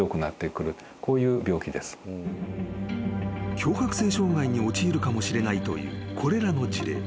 ［強迫性障がいに陥るかもしれないというこれらの事例。